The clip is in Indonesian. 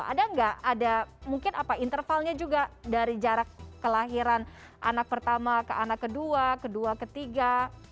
ada nggak ada mungkin apa intervalnya juga dari jarak kelahiran anak pertama ke anak kedua kedua ketiga